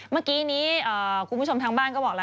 เมื่อกี้นี้คุณผู้ชมทางบ้านก็บอกแล้ว